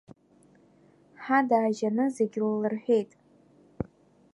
Ҳа даажьаны зегьы ллырҳәит.